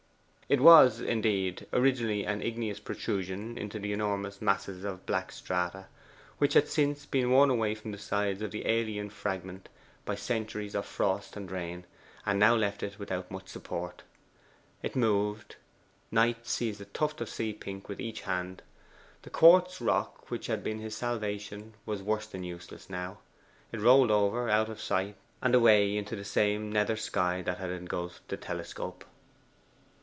It was, indeed, originally an igneous protrusion into the enormous masses of black strata, which had since been worn away from the sides of the alien fragment by centuries of frost and rain, and now left it without much support. It moved. Knight seized a tuft of sea pink with each hand. The quartz rock which had been his salvation was worse than useless now. It rolled over, out of sight, and away into the same nether sky that had engulfed the telescope.